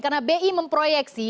karena bi memproyeksi